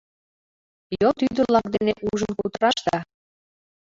Йот ӱдырлак дене ужын кутыраш да.